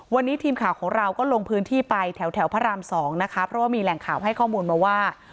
วันนี้ทีมข่าวของเราก็ลงพื้นที่ไปแถวพระรามสองนะคะเพราะว่ามีแหล่งข่าวให้ข้อมูลมาว่า